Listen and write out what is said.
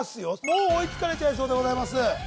もう追いつかれちゃいそうでございます